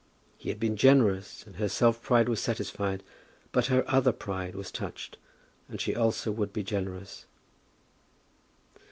He had been generous, and her self pride was satisfied. But her other pride was touched, and she also would be generous.